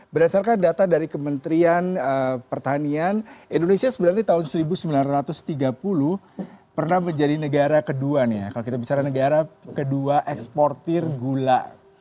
berdasarkan data dari kementerian pertanian indonesia sebenarnya tahun seribu sembilan ratus tiga puluh pernah menjadi negara kedua eksportir gula